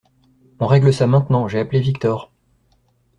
On règle ça maintenant, j’ai appelé Victor.